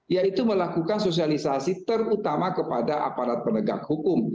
yaitu melakukan sosialisasi terutama kepada aparat penegak hukum